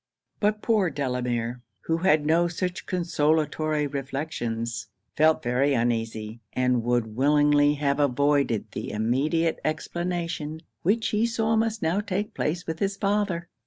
But poor Delamere, who had no such consolatory reflections, felt very uneasy, and would willingly have avoided the immediate explanation which he saw must now take place with his father.